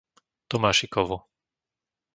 Tomášikovo